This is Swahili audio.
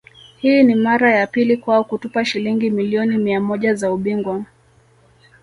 Hii ni mara ya pili kwao kutupa Shilingi milioni mia moja za ubingwa